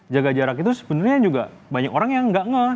jaga jarak itu sebenarnya juga banyak orang yang nggak ngeh